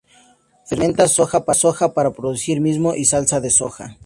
Fermenta soja para producir miso y salsa de soja.